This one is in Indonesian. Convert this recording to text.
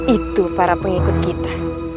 itu para pengikut kita